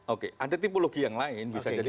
oke ada tipologi yang lain bisa dari